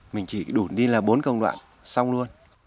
mình chỉ đủ đi là bốn công đoạn xong luôn